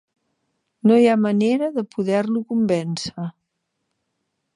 No hi ha manera de poder-lo convèncer.